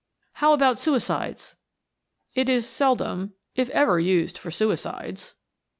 "How about suicides?" "It is seldom, if ever, used for suicides."